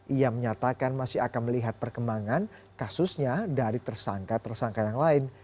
ia menyatakan masih akan melihat perkembangan kasusnya dari tersangka tersangka yang lain